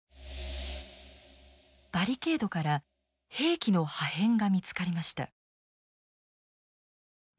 バリケードから兵器の破片が見つかりました。